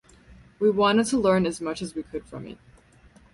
We wanted to learn as much as we could from it.